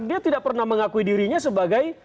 dia tidak pernah mengakui dirinya sebagai